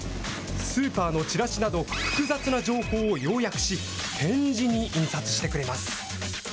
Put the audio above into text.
スーパーのちらしなど複雑な情報を要約し、点字に印刷してくれます。